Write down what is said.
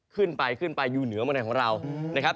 ขึ้นไปขึ้นไปอยู่เหนือเมืองไทยของเรานะครับ